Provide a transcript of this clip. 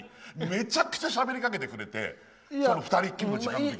めちゃくちゃしゃべりかけてくれて２人っきりの時間の時に。